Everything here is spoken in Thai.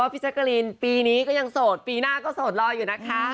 ว่าพี่ชักกะลินปีนี้ก็ยังโสดปีหน้าก็โสดลอยอยู่นะคะ